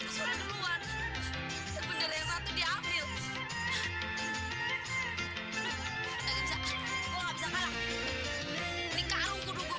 sampai jumpa di video selanjutnya